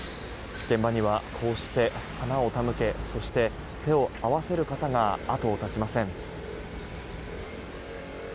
現場には、こうして花を手向けそして、手を合わせる方が後を絶ちません。